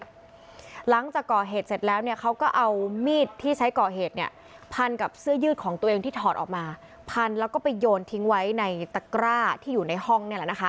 หลังจากก่อเหตุเสร็จแล้วเนี่ยเขาก็เอามีดที่ใช้ก่อเหตุเนี่ยพันกับเสื้อยืดของตัวเองที่ถอดออกมาพันแล้วก็ไปโยนทิ้งไว้ในตะกร้าที่อยู่ในห้องนี่แหละนะคะ